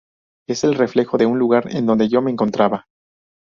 Es el reflejo de un lugar en donde yo me encontraba.